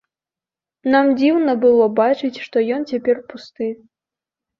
Нам дзіўна было бачыць, што ён цяпер пусты.